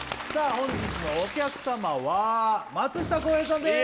本日のお客様は松下洸平さんです